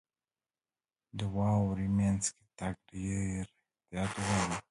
• د واورې مینځ کې تګ ډېر احتیاط غواړي.